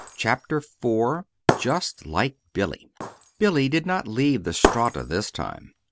CHAPTER IV. "JUST LIKE BILLY" Billy did not leave the Strata this time.